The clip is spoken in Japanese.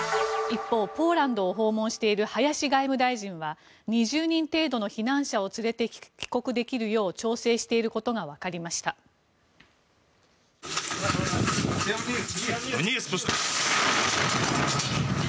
一方、ポーランドを訪問している林外務大臣は２０人程度の避難者を連れて帰国できるよう調整していることがわかりました。